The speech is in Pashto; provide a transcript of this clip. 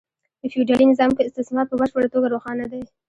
په فیوډالي نظام کې استثمار په بشپړه توګه روښانه دی